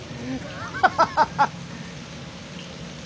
ハハハハ！